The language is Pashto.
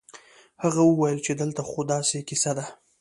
هغه وويل چې دلته خو داسې کيسه ده.